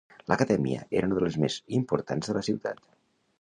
L'acadèmia era una de les més importants de la ciutat?